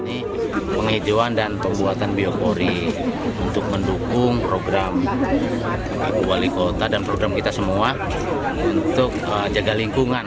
ini penghijauan dan pembuatan biopori untuk mendukung program wali kota dan program kita semua untuk jaga lingkungan